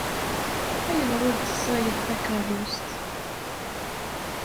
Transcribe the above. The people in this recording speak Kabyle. Ayɣer ur d-tessaɣeḍ takeṛṛust?